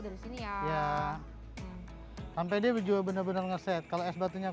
dari sini ya ya sampai dia bejua bener bener meng transformed batunya